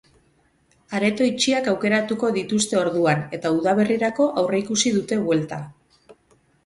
Areto itxiak aukeratuko dituzte orduan, eta udaberrirako aurreikusi dute buelta.